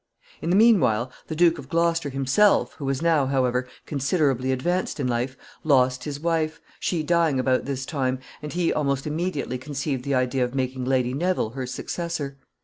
] In the mean while, the Duke of Gloucester himself, who was now, however, considerably advanced in life, lost his wife, she dying about this time, and he almost immediately conceived the idea of making Lady Neville her successor.